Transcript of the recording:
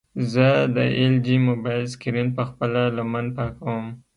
زه د ایل جي موبایل سکرین په خپله لمن پاکوم.